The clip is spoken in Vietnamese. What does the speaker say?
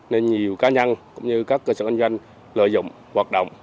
nên nhiều cá nhân cũng như các cơ sở kinh doanh lợi dụng hoạt động